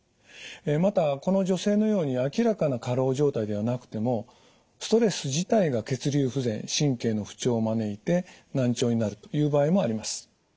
またこの女性のように明らかな過労状態ではなくてもストレス自体が血流不全神経の不調を招いて難聴になるという場合もあります。